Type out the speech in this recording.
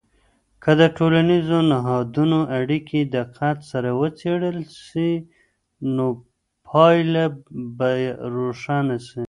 که د ټولنیزو نهادونو اړیکې دقت سره وڅیړل سي، نو پایله به روښانه سي.